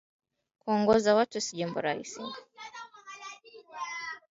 Kuongoza watu si jambo raisi